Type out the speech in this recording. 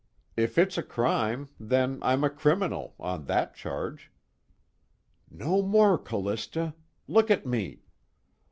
If it's a crime, then I'm a criminal on that charge." _No more, Callista! LOOK AT ME!